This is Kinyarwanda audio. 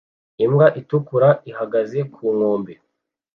Imbwa itukura ihagaze ku nkombe